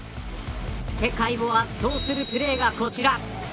世界を圧倒するプレーがこちら。